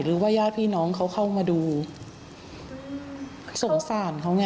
ญาติพี่น้องเขาเข้ามาดูสงสารเขาไง